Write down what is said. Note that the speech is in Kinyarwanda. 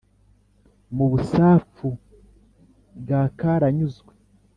mu busapfu bwa karanyuzwe,